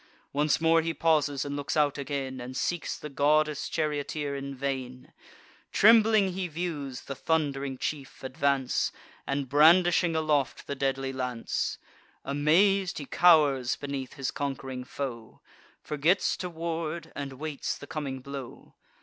Once more he pauses, and looks out again, And seeks the goddess charioteer in vain. Trembling he views the thund'ring chief advance, And brandishing aloft the deadly lance: Amaz'd he cow'rs beneath his conqu'ring foe, Forgets to ward, and waits the coming blow.